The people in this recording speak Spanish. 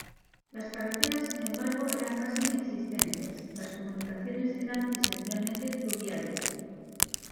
Las carreteras, sin embargo, eran casi inexistentes; las comunicaciones eran esencialmente fluviales.